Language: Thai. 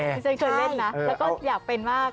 ที่ฉันเคยเล่นนะแล้วก็อยากเป็นมาก